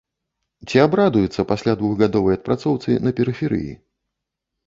Ці абрадуецца пасля двухгадовай адпрацоўцы на перыферыі?